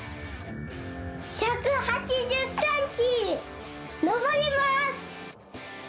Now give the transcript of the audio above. １８０センチのぼります！